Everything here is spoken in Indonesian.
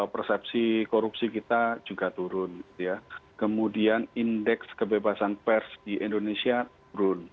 persepsi korupsi kita juga turun kemudian indeks kebebasan pers di indonesia turun